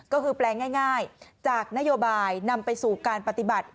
ก็คือแปลงง่ายจากนโยบายนำไปสู่การปฏิบัติ